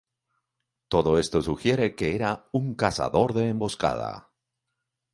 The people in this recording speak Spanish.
Todo esto sugiere que era un cazador de emboscada.